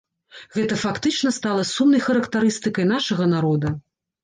Гэта фактычна стала сумнай характарыстыкай нашага народа.